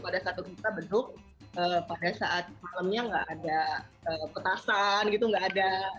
pada saat kita beduk pada saat malamnya gak ada petasan gitu gak ada